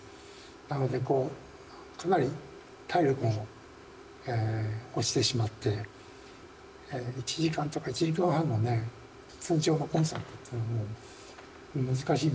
なのでかなり体力も落ちてしまって１時間とか１時間半のね通常のコンサートっていうのはもう難しいんですよね。